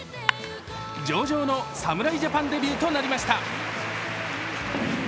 上々の侍ジャパンデビューとなりました。